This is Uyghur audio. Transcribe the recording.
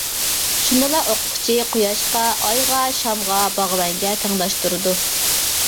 شۇندىلا ئوقۇتقۇچى قۇياشقا، ئايغا، شامغا، باغۋەنگە تەڭداش تۇرىدۇ.